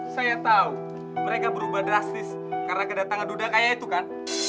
saya tahu mereka berubah drastis karena kedatangan duda kaya itu kan